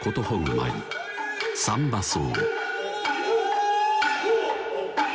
舞「三番叟」